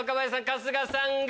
春日さん